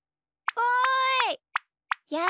おい！